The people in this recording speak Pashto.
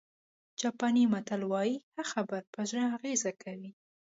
جاپاني متل وایي ښه خبره په زړه اغېزه کوي.